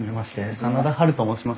真田ハルと申します。